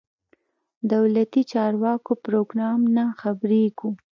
دولتي چارواکو پروګرام نه خبرېږو.